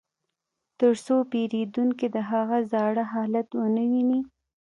ترڅو پیرودونکي د هغه زاړه حالت ونه ویني